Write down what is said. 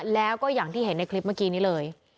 แล้วก็อย่างที่เห็นในคลิปเมื่อกี้นี้เลย